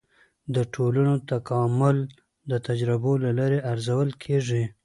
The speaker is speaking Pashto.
د ټولنو تکامل د تجربو له لارې ارزول کیږي.